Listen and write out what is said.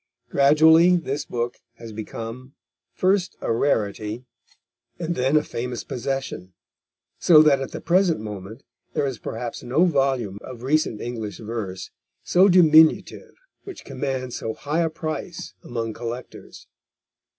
Gradually this book has become first a rarity and then a famous possession, so that at the present moment there is perhaps no volume of recent English verse so diminutive which commands so high a price among collectors.